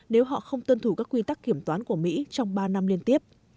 nếu họ không tuân thủ các quy tắc kiểm toán của mỹ trong ba năm liên tiếp